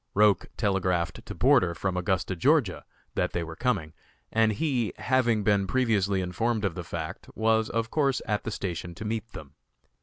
Roch telegraphed to Porter from Augusta, Ga., that they were coming, and he, having been previously informed of the fact, was, of course, at the station to meet them.